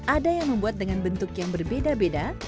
ada yang membuat dengan bentuk yang berbeda beda